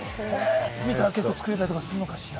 見たら作れたりするのかしら？